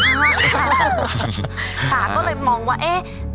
ตาก็เลยมองว่าเอ๊ะ